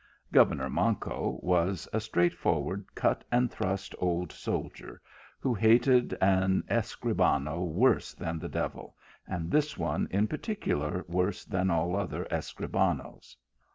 Governor Manco was a straight forward, cut and thrust old soldier, who hated an Escribano worse than the devil, and this one in particular, worse than all other Escribanoes.